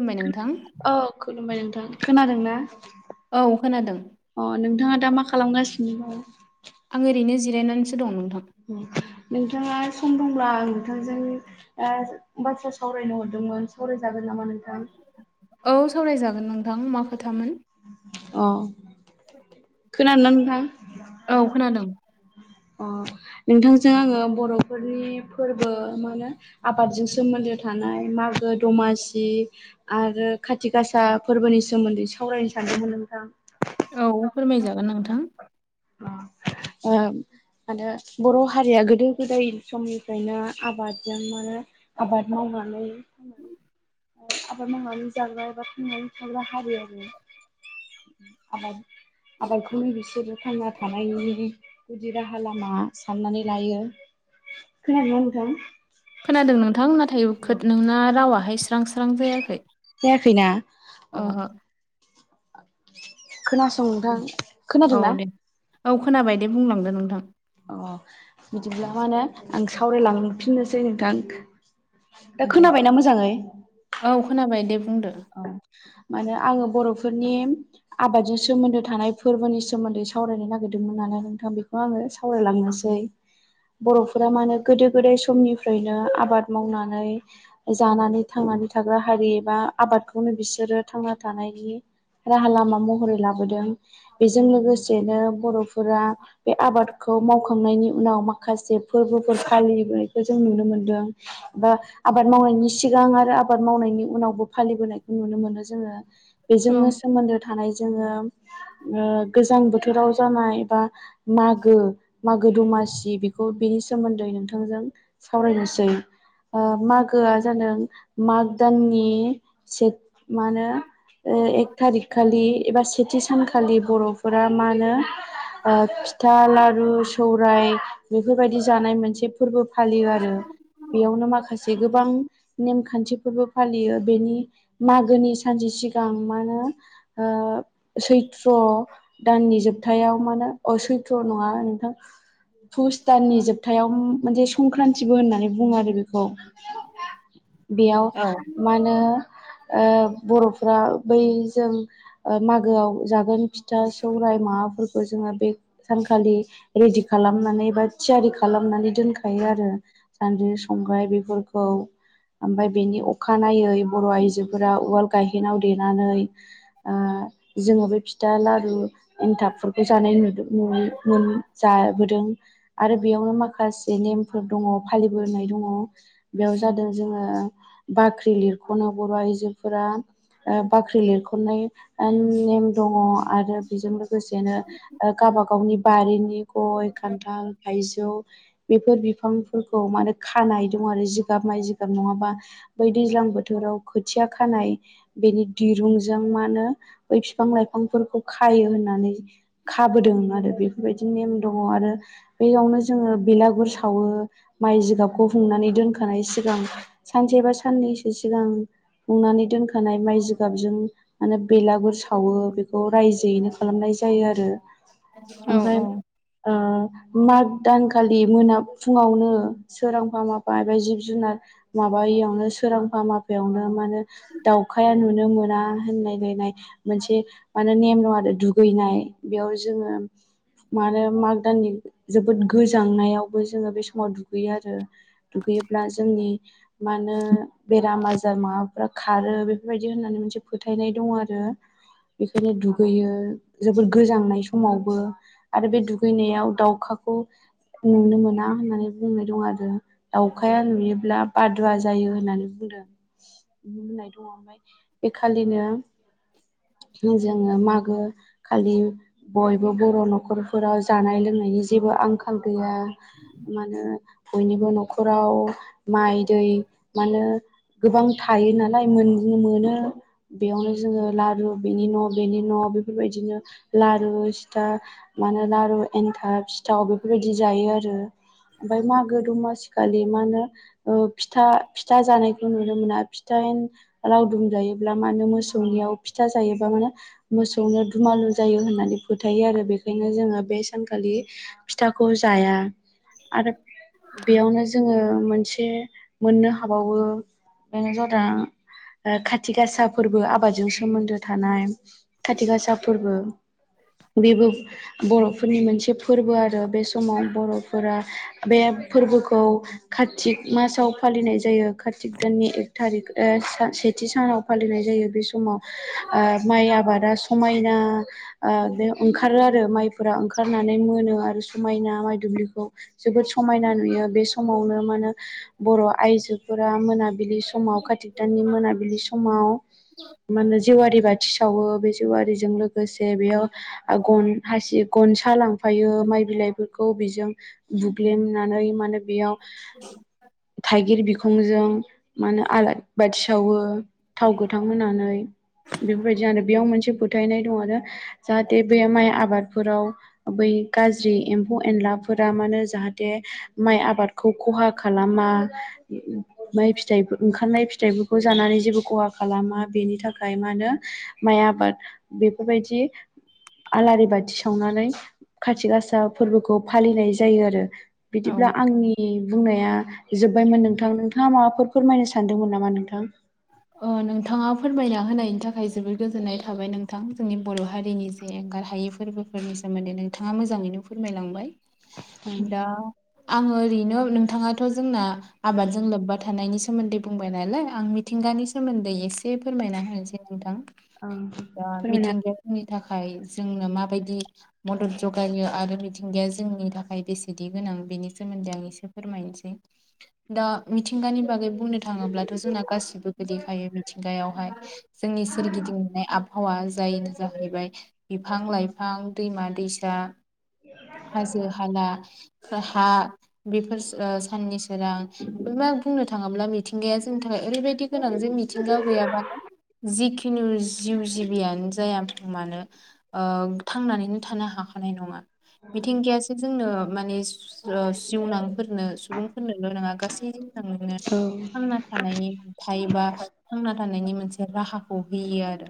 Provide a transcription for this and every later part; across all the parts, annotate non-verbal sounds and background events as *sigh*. खबाय नोंथां *unintelligible* औ खुलुमबाय नोंथां। खोनादों ना? औ खोनादों अ नोंथाङा दा मा खालामगासिनो दं? आं ओरैनो जिरायनानैसो दं नोंथां। नोंथाङा सम दंब्ला आं नोंथांजों बाथ्रा सावरायनो हरदोंमोन सावरायजागोन नामा नोंथां? औ सावरायजागोन नोंथां मा खोथामोन अ खोनादों ना नोंथां? औ खोनादों अ नोंथांजों आङो बर'फोरनि फोरबो मा होनो आबादजों सोमोन्दो थानाय मागो -दमासि आरो खाथि गासा फोरबोनि सोमोन्दै सावरायनो सानदोंमोन नोंथां। औ फोरमायजागोन नोंथां अ आ आरो बर' हारिया गोदो गोदाय समनिफ्रायनो आबादजों मोनो आबाद मावनानै थांनानो आबाद मावनानै जाग्रा एबा थांनानै थाग्रा हारि आरो आबाद आबादखौनो बिसोरो थांना थानायनि गुदि राहा लामा साननानै लायो। खोनादोंङा नोंथां? खोनादों नोंथां। नाथाय नोंना रावाहाय स्रां स्रां जायाखै जायाखैना औ ओहो खोनास औ दे औ खोनाबाय दे बुंलांदो नोंथां अ बिदिब्ला मा होनो आं सावरायलां फिननोसै नोंथां दा दे खोनाबायना मोजांङै? औ खोनाबाय दे बुंदो औ मानो आंङो बर'फोरनि आबादजों सोमोन्दो थानाय फोरबोनि सोमोन्दै सावरायनो नागिरदोंमोन नालाय नोंथां बेखौ आंङो सावरायलांनोसै बर'फोरा मानो गोदो गोदाय समनिफ्रायनो आबाद मावनानै जानानै थांनानै थाग्रा हारि एबा आबादखौनो बिसोरो थांना थानायनि राहा लामा महरै लाबोदों। बेजों लोगोसेनो बर'फोरा बे आबादखौ मावखांनायनि उनाव माखासे फोरबोफोर फालिनायखौ जों नुनो मोनदों। बा आबाद मावनायनि सिगां आरो आबाद मावनायनि उनावबो फालिबोनायखौ नुनो मोनो जोंङो औ बेजोंनो सोमोन्दो थानाय जोंङो ओ गोजां बोथोराव जानाय एबा मागो मागो दमासि बेखौ बिनि सोमोन्दै नोंथांजों सावरायनोसै मागोआ जादों माग दाननि से मा होनो ओ एक थारिख खालि एबा से थि सानखालि बर'फोरा मा होनो फिथा लारु सौराय बेफोरबायदि जानाय मोनसे फोरबो फालियो आरो बेयावनो माखासे गोबां नेम खान्थिफोरबो फालियो बेनि मागोनि सानसे सिगां मा होनो ओ सैत्र दाननि जोबथायाव मानोे अ सैथ्र नङा नोंथां फुस दाननि जोबथायाव मोनसे संख्रान्तबो होननानै बुङो आरो बेखौ बेयाव औ मा होनो ओ बर'फ बैजों मागोआव ओ जागोन फिथा सौराय माबाफोरखौ जोऔङो बे सानखालि रेडि खालामनानै बा थियारि खालामनानै दोनखायो आरो सान्द्रि संग्राय बेफोरखौ ओमफफ्राय बेनि अखानायै बर' आइजोफोरा उवाल गायहेनाव देनानै जोंङो बे फिथा लारु एन्थाबफोरखौ जानाय नुदों। नु मोन जाबोदों आरो बेयावनो माखासे नेमफोर दङ फालिबोनाय दङ। बेयाव जादों जोंङो बाख्रि लिरख'नो बर' आइजोफोरा। बाख्रि लिरख'नाय नेम दङ आरो बेजों लोगोसेनो ओ गावब गावनि बारिनि गय खान्थाल थायजौ बेफोर बिफांफोरखौ माने खानाय दं आरो जिगाब माइ जिगाब नङाबा बै दैज्लां बोथोराव खोथिया खानाय बेनि दिरुंजों मा होनो बै बिफां लाइफांफोरखौ खायो होननानै खाबोदों आरो बेफोरबायदि नेम दङ आरो बेयावनो जोङो बेलागुर सावो माइ जिगाबखौ हुंनानै दोनखानाय सिगां सानसे बा साननैसो सिगां हुंनानै दोनखानाय माइ जिगाबजों म बेलागुर स खावो बेखौ रायजोयैनो खालामनाय जायो। आरो औ ओमफ्राय माग दानखालि मोना फुंङावनो। सोरांफा माफा एा जिब जुनार माबायियावनो सोरांफा माफायावनो माने दाउखाया नुनो मोना होनलायलायनाय मोनसे म होनो नेम दं आरो दुगैनाय बेयाव जोंङो। मानो माग दाननि जोबोद गोजांनायावबो जोंङो बे समाव दुगैयो आरो। दुगैयोब्ला जोंनि मा होनो बेराम आजार माबा खारो बेफोरबायदि होननानै मोनसे फोथायनाय दंङ आरो बेखायनो दुगैयो जोबोद गोजांनाय समावबो आरो बे दुगैनायाव दाउखाखौ नुनो मोना होननानै बुंनाय दं आरो। दाउखाया नुयोब्ला बादुवा जायो होननानै बुं बुंदों होननाय दंङ ओमफ्राय बे खालिनो जोंङो मागो खालि बयबो बर' न'खरफोराव जानाय लोंनायनि जेबो आंखाल गैया मोन। बयनिबो न'खराव माइ दै मान गोबां थायो नालाय मोननो मोनो बेयावनो जोङो लारु बेनि न' बेनि न' बेफोरबायदिनो लारु फिथा। मानोना लारु एन्थाब सिथाव बेफोरबायदि जायो आरो ओमफ्राय मागो दमासि खालि मा होनो फिथा-फिथा जानाय खौ नुनो मोना फिथा लावदुम जायोब्ला मा होनो मोसौनियाव फिथा जायोबा मानो मोसौनाव दुमालु जायो होननानै फोथायो आरो। बेखायनो जोंङो बे सानखालि फिथाखौ जाया। आरो बेयावनो जोंङो मोनसे मोननो हाबावो बेनो जादों खाथि गासा फोरबो आबादजों सोमोन्दो थानाय खाथि गासा फोरबो बेबो बर'फोरनि मोनसे फोरबो आरो बे समाव बर'फोरा बे फोरबोखौ कातिक मासाव फालिनाय जायो कातिक। दाननि एक थारिख सेथि सानाव फालिनाय जायो बे समाव माइ आबादा समायना बेनो ओंखारो आरो माइफोरा ओंखारनानै मोनो आरो समायना माइ दुब्लिखौ जोबोद समायना नुयो बे समावनो मा होनो बर' आइजोफोरा मोनाबिलि लि समाव कातिक दाननि मोनाबिलि समाव मा होनो जेवारि बाथि सावो बे जेवारिजों लोगोसे बेयाव गन हासि गनसा लांफायो माइ बिलाइफोरखौ बिजों। बुग्लेमनानै माने बेयाव थाइगिर बिखंजों मा होनो आलारि बाथि सावो थाव गोथां होनानै। बेफोरबायदि आरो बेयाव मोनसे फोथायनाय दं आरो। जाहाथे बे माइ आबादफोराव बै गाज्रि एम्फौ एनलाफोरा मानोे जाहाथे। थे माइ आबादखौ खहा खालामा माइ फिथाइ ओंखारनाय फिथाइफोरखौ जानानै जेबो खहा खालामा बेनि थाखाय मा होनो? माइ आबाद बेफोरबायदि आलारि बाथि सावनानै कातिक गासा फोरबोखौ फालिनाय जायो आरो। औ बिदिब्ला आंनि बुंनाया जोब्बायमोन नोंथां नोंथांङा माबाफोर? फोरमायनो सानदोंमोन नामा नोंथां? नोंथाङा फोरमायना होनायनि थाखाय जोबोद गोजोननाय थाबाय नोंथां जोंनि बर' हारिनि जे ओंखारहायै फोरबोफोरनि सोमोन्दै नोंथाङा मोजाङैनो फोरमायलांबाय। दा आङो ओरैनो नोंथाङाथ' जोंना आबादजों लोब्बा थानायनि सोमोन्दै बुंबाय नालाय आं -' मिथिंगानि सोमोन्दै एसे फोरमायना होनोसै नोंथां औ दा फोरमायनो हागोन मिथिंगायाव नि थाखाय जोंनो माबायदि मदद जगायो आरो मिथिंगाया जोंनि थाखाय बेसेदि गोनां बेनि सोमोन्दै आं एसे फोरमायनोसै। दा मिथिंगानि बागै बुंनो थाङोब्लाथ' जोंना गासिबो गोग्लैखायो मिथिंगायावहाय जोंनि सोरगिदिं मोननाय आब आबहावा जायनो जाहैबाय बिफां लाइफां दैमा दैसा हाजो हाला हा बेफोर सा-साननि सोरां बे मा बुंनो थाङोब्ला मिथिंगाया जोंनि थाखाय ओरैबायदि गोनांजों मिथिंगायाव गैयाबानो जिखुनु जिउ जिबियानो जायाथों मानो ओ थांनानैनो थानो हाखानाय नङा मिथिंगायासो जोंनो माने जिउनांफोरनो सुबुंफोरनोल' नङा गासै नोनो औ थांना थानायनि थायोबा थांना थानायनि मोनसे राहाखौ होयो आरो।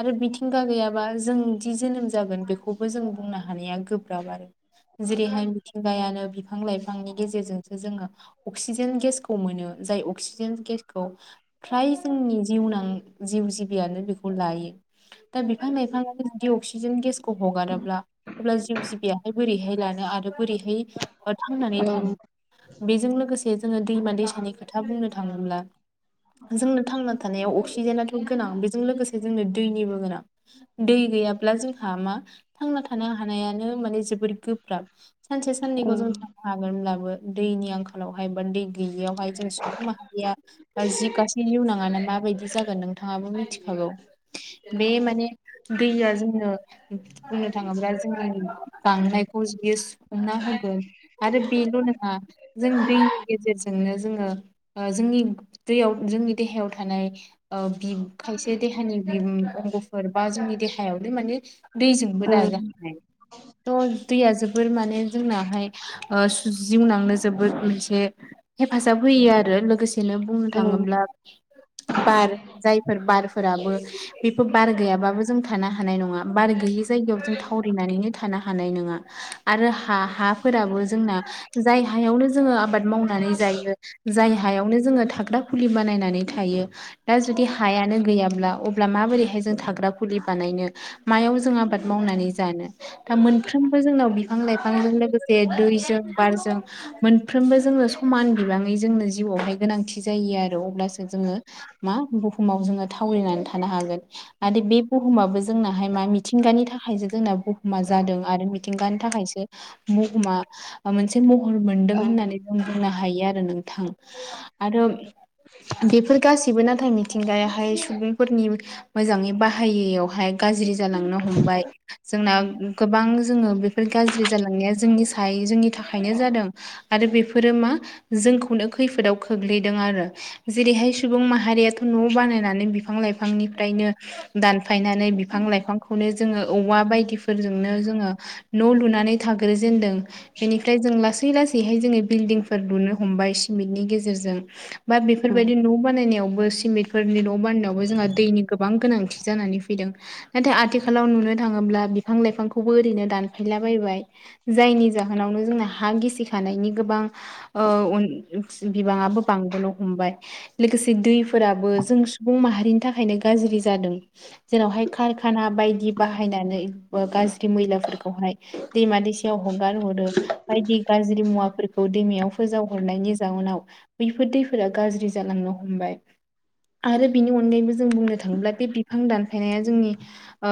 आरो मबथिंगा गैयाबा जों दि जोनोम जागोन बेखौबो जों बुंनो हानाया गोब्राब आरो। जेरैहाय मिथिंगायानो बिफां लाइफांनि गेजेरजोंसो जोङो अक्सिजेन गेसखौ मोनो जाय अक्सिजेन गेस खौ फ्राय जोंनि जिउनां जिउ जिबियानो बेखौ लायो। दा बिफां लाइफाङानो जुदि अक्सिजेन गेसखौ हगारोब्ला अब्ला जिउ जिबियाहाय बोरैहाय लानो आरो बोरैहाय औ थांनानै थानो बेजों लोगोसे जोङो दैमा दैसानि खोथा बुंनो थाङोब्ला जोंनो थांना थानायाव अक्सिजेनाथ' गोनां बेजों लोगोसे जोंनो दैनिबो गोनां। दै गैयाब्ला जोंहा मा थांना थानो हानायानो माने जोबोद गोब्राब सानसे औ साननैखौ जों हागोन होनब्लाबो दैनि आंखालावहाय बा दै गैयियावहाय जों सुबुं माहारिया बा जि गासै इउनाङाना माबायदि जागोन नोंथाङाबो मिथिखागौ बे माने दैया जोंनो बुंनो थाङोब्ला जोंनि बांनायखौ बियो सुुंफुंना होगोन आरो बेल' नङा जों दैनि गेजेरजोंनो जोङो ओ जोंनि दैयाव जोंनि देहायाव थानाय ओ बिब खायसे देहानि बिउं अंगफोर बा जोंनि देहायावनो माने दैजोंबो दाजाहाय थ' दैया जोबोर माने जोंनाहाय ओ सुजिउनांनो जोबोद मोनसे हेफाजाब होयो आरो लोगोसेनो बु औ थाङोब्ला बार जायफोर बारफोराबो बेफोर बार गैयाबाबो जों थानो हानाय नङा बार गैयि जायगायाव जों थावरायनानैनो थानो हानाय नङा। आरो हा-हाफोराबो जोंना जाय हायावनो जोङो आबाद मावनानै जायो जाय हायावनो जोङो थाग्रा फुलि बानायनानै थायो दा जुदि हायानो गैयाब्ला अ ब्ला माबोरैहाय जों थाग्रा फुलि बानायनो मायाव जों आबाद मावनानै जानो था मोनफ्रोमबो जोंनाव बिफां लाइफांजों लोगोसे दैजों बारजों मोनफ्रोमबो जोंनो समान बिबाङै जोंनो जिउआवहाय गोनांथि जायो आर अब्लासो जोङो मा बुहुमाव जोङो थावरिनानै थानो हागोन आरो बे बुहुमाबो जोंनाहाय मा मिथिंगानि थाखायसो जोंना बुहुमा जादों आरो मिथिंगानि थाखायसो म'हममा आ मोनसे महर मोनदों होननानै जों बुंनो हायो आरो नोंथां। आरो बेफोर गासैबो नाथाय थिंगायाहाय सुबुंफोरनि मोजाङै बाहायैयावहाय गाज्रि जालांनो हमबाय जोंना गोबां जोङो बे फोर गाज्रि जालांनाया जोंनि साय जोंनि थाखायनो जादों। आरो बेफोरो मा जोंखौनो खैफोदाव खग्लैदों आरो जेरैहाय सुबुं माहारिया थो न' बानायनानै बिफां लाइफांनिफ्रायनो दानफायनानै बिफां लाइफांख' खौनो जोङो औवा बायदिफोरजोंनो जोङो न' लुनानै थाग्रोेजेनदों बेनिफ्राय जों लासै लासैहाय जोङो बिल्डिंफोर लुनो हमबाय सिमेन्टनि गेजेरजों बा बेफोरबायदि न' बानायनायावबो सिमिट फोरनि न' बानायनायावबो जोंहा दैनि गोबां गोनांथि जानानै फैदों। नाथाय आथिखालाव नुनो थाङोब्ला बिफां लाइफांखौबो ओरैनो दानफायलाबायबाय। जायनि जाहोनावनो जोंना हा गिसिखानायनि गोबां ओ अन बिबाङाबो बांबोनो हमबाय लोगोसे दैफोराबो जों सुबुं माहारिनि थाखायनो गाज्रि जादों। जेरावहाय कारखाना बायदि बाहायनानै बा गाज्रि मैलाफोरखौहाय दैमा दैसायाव हगारहरो। बायदि गाज्रि मुवाफोरखौ दैमायाव फोजावहरनायनि जाउनाव बिफोर दैफोरा गाज्रि जालांनो हमबाय। आरो बिनि अनगायैबो जों बुंनो थाङोब्ला बे बिफां दानफायनाया जोंनि ओ‌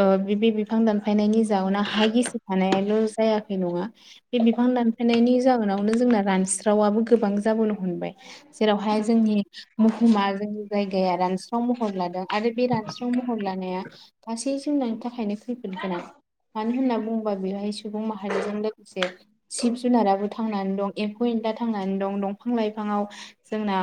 ओ बि बिबिब फां दानफायनायनि जाउनाहाय हा गिसि खानायाल' जायाखै नङा बे बिफां दानफायनायनि जाहोनावनो जोंना रानस्रावाबो गोबां जाबोनो हमबाय जेरावहाय जोंनि मुहुमा जोंनि जायगाया रानस्राव महर लादों आरो बे रानस्राव महर लानाया गासै जिउनांनि थाखायनो खैफोद गोनां। मानो होनना बुङोबा बेहाय सुबुं माहारिजों लोगोसे सिब जुनाराबो थांनानै दं एम्फौ एनला थांनानै दं दंफां लाइफाङाव जोंना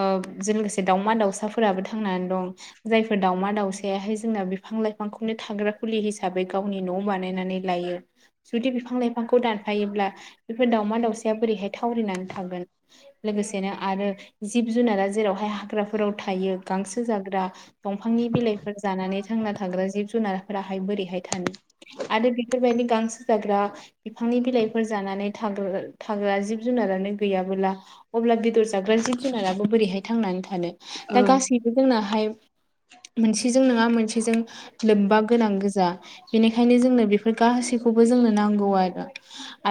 ओ जों लोगोसे दाउमा दाउसाफोराबो थांनानै दं। जायफोर दाावमा दाावसायाहाय जोंना बिफां लाइफांखौनो थाग्रा खुलि हिसाबै गावनि न' बानायनानै लायो। जुदि बिफां लाइफांखौ दानफायोब्ला बेफोर दावमा दावसाया बोरैहाय थावरिनानै थांगोन। लोगोसेनो आरो जिब जुनारा जेरावहाय हाग्राफोराव थायो गांसो जाग्रा दंफांनि बिलाइफोर जानानै थांना थाग्रा जिब जुनारफोराहाय बोरैहाय थानो। आरो बेफोरबायदि गांसो जाग्रा बिफांनि बिलाइफोर जानानै थाग्रो थाग्रा जिब जुनारानो गैया। बोला अब्ला बेदर जाग्रा जिब जुनाराबो बोरैहाय थांनानै थानो दा गासै जोंनाहाय मोनसेजों नोङा मोनसेजों लोब्बा गोनां गोजा बेनिखायनो जोंनो बेफोर गासैखौबो जोंनो नांगौ आरो।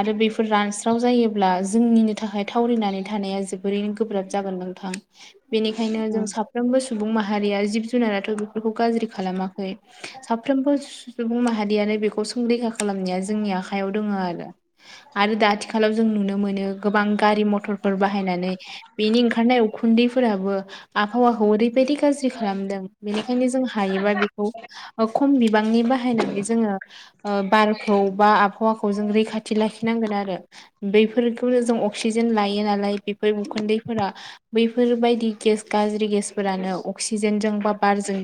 आरो बेफोर रानस्राव जायोब्ला जोंनिनो थाखाय थावरिनानै थानाया जोबोरैनो गोब्राब जागोन नोंथां बेनिखायनो औ जों औ साफ फ्रोमबो सुबुं माहारिया जिब जुनाराथ' बेफोरखौ गाज्रि खालामाखै। साफ्रोमबो सुबुं माहारियानो बेखौ संरैखा खालामनाया जोंनि आखायाव दङ आरो। आरो दा आथिखालाव जों नुनो मोनो गोबां गारि मथरफोर बाहायनानै बिनि ओंखारनाय उखुन्दैफोराबो आबहावाखौ ओरैबायदि गाज्रि खालामदों बेनिखायनो जों हायोबा बेखौ ओ खम बिबांनि बाहायनानै जोङो ओ बारखौ बा आबहावाखौ जों रैखाथि लाखिनांगोन आरो बेैफोरखौनो जों अक अक्सिजेन लायो नालाय बेफोर उखुन्दैफोरा बैफोरबायदि गेस गाज्रि गेसफोरानो अक्सिजेनजों बा बारजों